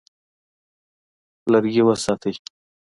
لرګي وساتئ.